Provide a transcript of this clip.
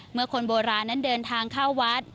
คนโบราณนั้นเดินทางเข้าวัด